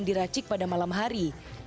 diracik pada malam hari